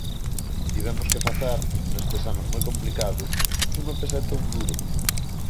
Tivemos que facer, nestes anos moi complicados, dunha peseta un duro.